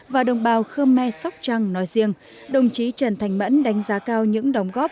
và đồng bào khơ me sóc trăng nói riêng đồng chí trần thanh mẫn đánh giá cao những đóng góp